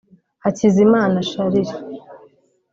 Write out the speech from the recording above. Hakizimana Charles